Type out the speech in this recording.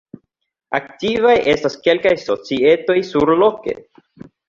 Aktivaj estas kelkaj societoj surloke.